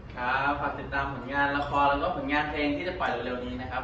ครับฝากติดตามผลงานละครแล้วก็ผลงานเพลงที่จะปล่อยเร็วนี้นะครับ